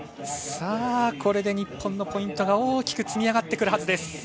これで日本のポイントが大きく積みあがってくるはずです。